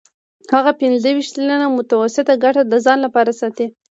هغه پنځه ویشت سلنه متوسطه ګټه د ځان لپاره ساتي